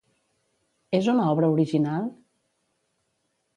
És una obra original?